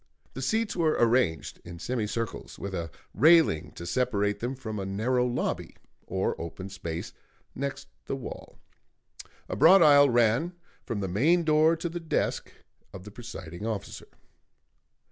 The seats were arranged in semicircles, with a railing to separate them from a narrow lobby or open space next the wall; a broad aisle ran from the main door to the desk of the presiding officer.